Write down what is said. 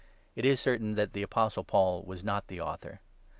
It is certain that the Apostle Paul was not the author.